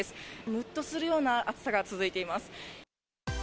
むっとするような暑さが続いています。